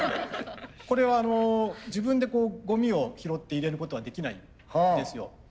これは自分でゴミを拾って入れることはできないんですよ。